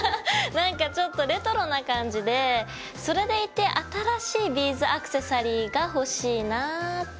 なんかちょっとレトロな感じでそれでいて新しいビーズアクセサリーが欲しいなぁって。